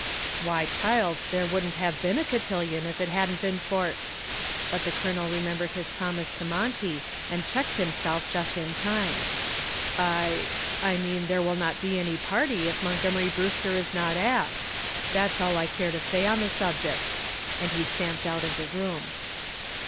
"Why, child, there wouldn't have been a cotillon if it hadn't been for " but the Colonel remembered his promise to Monty and checked himself just in time. "I I mean there will not be any party, if Montgomery Brewster is not asked. That is all I care to say on the subject," and he stamped out of the room.